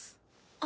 あ！